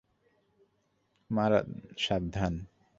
মারান, সাবধান!